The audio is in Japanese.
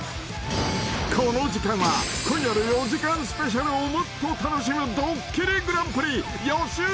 ［この時間は今夜の４時間スペシャルをもっと楽しむ］